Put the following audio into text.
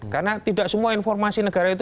karena tidak semua informasi negara itu